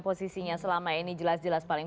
posisinya selama ini jelas jelas paling